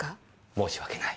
申し訳ない。